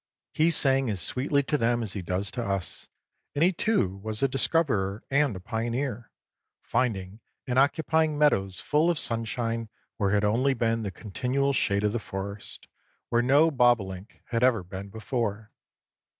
He sang as sweetly to them as he does to us, and he too was a discoverer and a pioneer, finding and occupying meadows full of sunshine where had only been the continual shade of the forest, where no bobolink had ever been before.